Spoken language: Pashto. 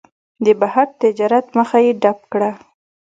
د بهر تجارت مخه یې ډپ کړه.